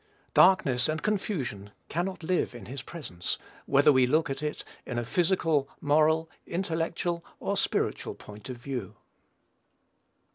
Darkness and confusion cannot live in his presence, whether we look at it in a physical, moral, intellectual, or spiritual point of view.